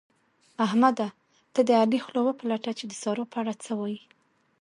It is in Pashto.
احمده! ته د علي خوله وپلټه چې د سارا په اړه څه وايي؟